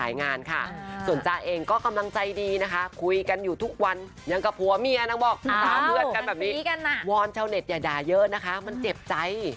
อย่าแดาเยอะนะคะมันเจ็บใจ